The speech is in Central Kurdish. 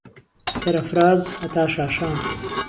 سەر ئهفراز ههتا شاشان